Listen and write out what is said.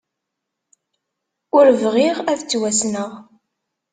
Ur bɣiɣ ad ttwassneɣ.